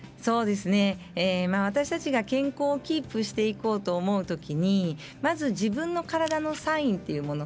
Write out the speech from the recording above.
私たちが健康をキープしていこうと思うときにまず自分の体のサインというもの